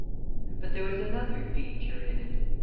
But there was another feature in it.